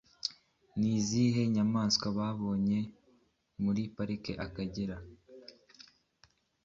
Ni izihe nyamaswa babonye muri Pariki y’Akagera?